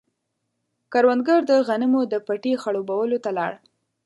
کروندګر د غنمو د پټي خړوبولو ته لاړ.